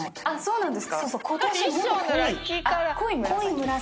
あっそうなんですか？